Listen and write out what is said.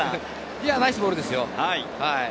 ナイスボールですよ。